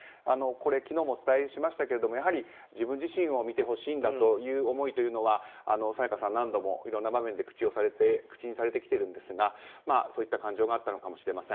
昨日もお伝えしましたが自分自身を見てほしいという思いを沙也加さん、何度もいろんな場面で口にされてきているんですがそういった感情があったのかもしれません。